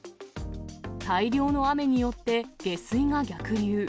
大量の雨によって下水が逆流。